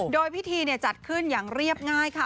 โดยพิธีจัดขึ้นอย่างเรียบง่ายค่ะ